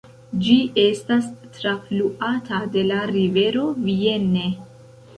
Ĝi estas trafluata de la rivero Vienne.